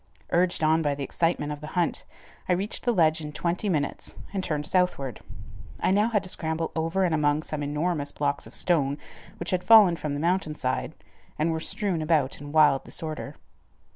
Urged on by the excitement of the hunt, I reached the ledge in twenty minutes and turned southward. I now had to scramble over and among some enormous blocks of stone which had fallen from the mountain side and were strewn about in wild disorder.